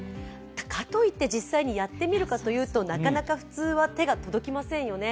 かといって、実際にやってみるかというと、なかなか普通は、手が届きませんよね。